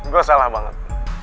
gue salah banget